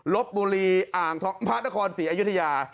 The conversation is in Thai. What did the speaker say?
ลบบุรีอ่างทองพระนครศรีอยุธยา